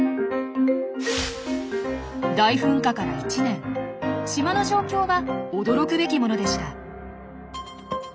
大噴火から１年島の状況は驚くべきものでした。